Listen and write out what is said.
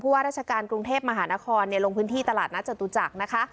ว่าราชการกรุงเทพมหานครลงพื้นที่ตลาดนัดจตุจักรนะคะ